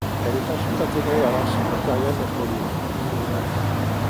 Elles sont ensuite intégrées à l'ensemble impérial napoléonien.